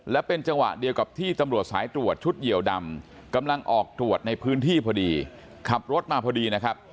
และเป็นจังหวะเดียวกับที่ตำรวจสายตรวจชุดเหยียวดำกำลังออกตรวจในพื้นที่พอดีขับรถมาพอดีนะครับ